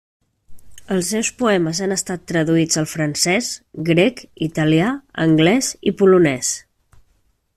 Els seus poemes han estat traduïts al francès, grec, italià, anglès i polonès.